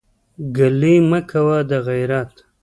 ګلې مه کوه دغېرت.